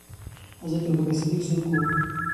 حضرت ابوبکر صديق څوک وو؟